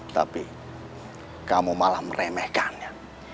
tapi kamu malah meremehkannya